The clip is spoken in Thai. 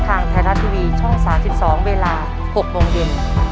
ทางไทยรัฐทีวีช่อง๓๒เวลา๖โมงเย็น